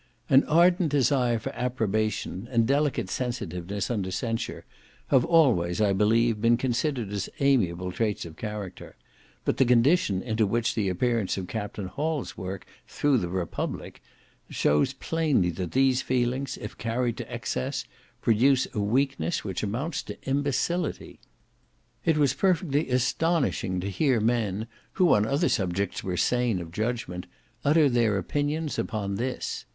An ardent desire for approbation, and delicate sensitiveness under censure, have always, I believe, been considered as amiable traits of character; but the condition into which the appearance of Capt. Hall's work threw the Republic, shows plainly that these feelings, if carried to excess, produce a weakness which amounts to imbecility. It was perfectly astonishing to hear men, who, on other subjects, were sane of judgment, utter their opinions upon this.